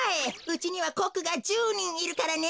うちにはコックが１０にんいるからね。